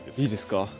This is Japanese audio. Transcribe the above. いいですか？